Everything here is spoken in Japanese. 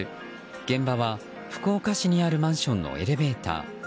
現場は福岡市にあるマンションのエレベーター。